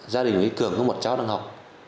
gia đình nguyễn cường có một cháu đang học